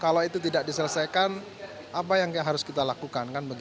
kalau itu tidak diselesaikan apa yang harus kita lakukan